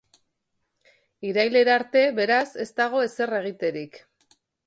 Irailera arte, beraz, ez dago ezer egiterik.